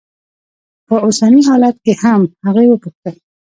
په اوسني حالت کې هم؟ هغې وپوښتل.